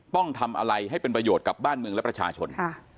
ต้องทำอะไรให้เป็นประโยชน์กับบ้านเมืองและประชาชน